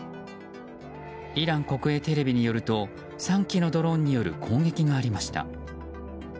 イラン国営テレビによると３機のドローンによる攻撃がありました。